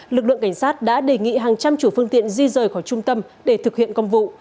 lực lượng cảnh sát đã đề nghị hàng trăm chủ phương tiện di rời khỏi trung tâm để thực hiện công vụ